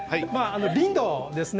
リンドウですね。